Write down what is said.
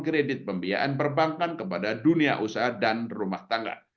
kredit pembiayaan perbankan kepada dunia usaha dan rumah tangga